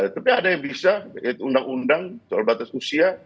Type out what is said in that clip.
tapi ada yang bisa yaitu undang undang soal batas usia